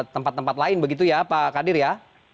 tempat tempat lain begitu ya pak kadir ya